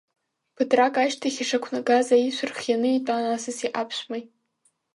Ԥыҭрак ашьҭахь ишақәнагаз аишәа рхианы итәан асаси аԥшәмеи.